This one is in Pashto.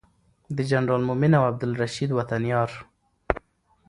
د جنرال مؤمن او عبدالرشید وطن یار